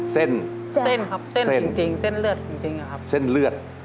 เส้นเส้นครับเส้นจริงเส้นเลือดจริงอะครับเส้นเลือด